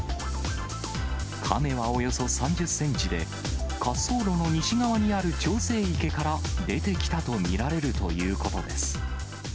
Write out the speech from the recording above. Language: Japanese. カメはおよそ３０センチで、滑走路の西側にある調整池から出てきたと見られるということです。